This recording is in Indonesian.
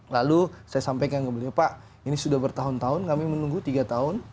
lalu saya sampaikan ke beliau pak ini sudah bertahun tahun kami menunggu tiga tahun